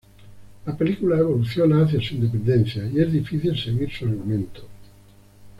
La película evoluciona hacia su independencia y es difícil seguir su argumento.